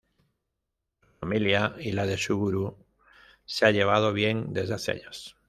Su familia y la de Suguru se han llevado bien desde hace años.